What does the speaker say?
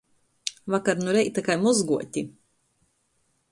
Vakar nu reita kai mozguoti.